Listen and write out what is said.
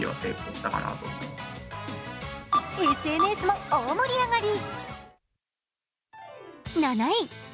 ＳＮＳも大盛り上がり。